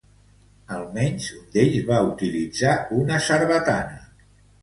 Almenys, un d'ells va utilitzar una sarbatana.